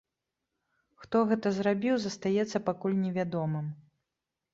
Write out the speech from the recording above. Хто гэта зрабіў, застаецца пакуль не вядомым.